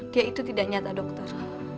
dia itu tidak nyata dokter